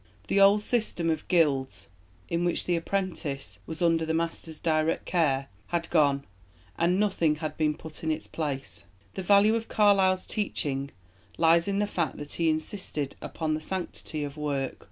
The old system of Guilds, in which the apprentice was under the master's direct care, had gone and nothing had been put in its place. The value of Carlyle's teaching lies in the fact that he insisted upon the sanctity of work.